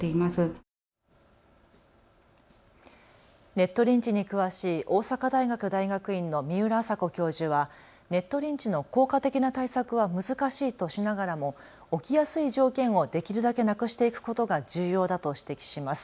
ネットリンチに詳しい大阪大学大学院の三浦麻子教授はネットリンチの効果的な対策は難しいとしながらも起きやすい条件をできるだけなくしていくことが重要だと指摘します。